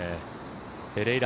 ペレイラ。